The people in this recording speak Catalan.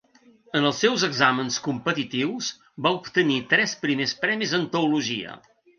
En els seus exàmens competitius, va obtenir tres primers premis en teologia.